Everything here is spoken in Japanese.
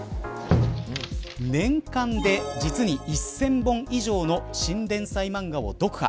年間で実に１０００本以上の新連載マンガを読破。